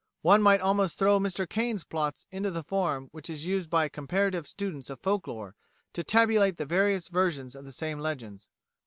One might almost throw Mr Caine's plots into the form which is used by comparative students of folk lore to tabulate the various versions of the same legends.